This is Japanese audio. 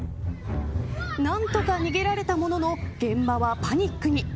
何とか逃げられたものの現場はパニックに。